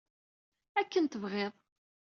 Akken tebɣiḍ.